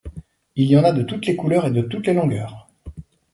Il y en a de toutes les couleurs et de toutes les longueurs.